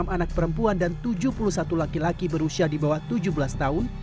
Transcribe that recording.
satu ratus dua puluh enam anak perempuan dan tujuh puluh satu laki laki berusia di bawah tujuh belas tahun